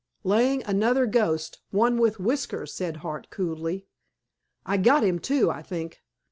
"Laying another ghost—one with whiskers," said Hart coolly. "I got him, too, I think."